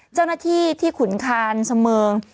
เจ้าหน้าที่ที่ขุนคานเสมิง